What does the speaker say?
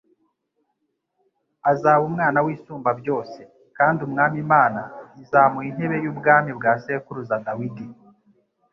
azaba umwana w'Isumba byose, kandi Umwami Imana izamuha intebe y'ubwami bwa sekuruza Dawidi,